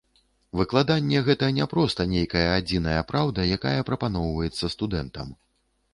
Выкладанне гэта не проста нейкая адзіная праўда, якая прапаноўваецца студэнтам.